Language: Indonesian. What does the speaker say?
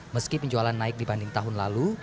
meski penjualan naik dibanding tahun lalu